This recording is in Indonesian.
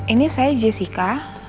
ini saya jessica